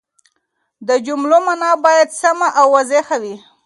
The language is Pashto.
د جملو مانا باید سمه او واضحه وي.